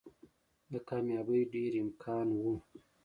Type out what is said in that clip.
د کاميابۍ ډېر امکان وو